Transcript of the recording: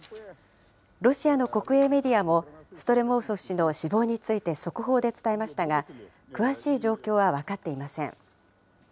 ロシアの国営メディアも、ストレモウソフ氏の死亡について速報で伝えましたが、詳しい状況は分かっていません。